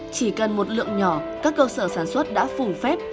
chỉ cần một lượng nhỏ các cơ sở sản xuất đã phù phép